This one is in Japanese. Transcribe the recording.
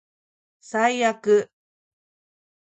最悪